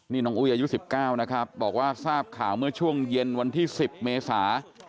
นี่น้องอุ้ยอายุ๑๙นะครับบอกว่าทราบข่าวเมื่อช่วงเย็นวันที่๑๐เมษา